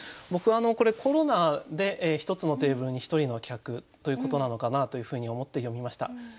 僕はこれコロナで一つのテーブルに一人の客ということなのかなというふうに思って読みました。